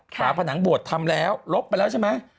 ฝาผนังบวชทำแล้วลบไปแล้วใช่ไหม